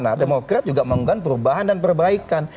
nah demokrat juga menggunakan perubahan dan perbaikan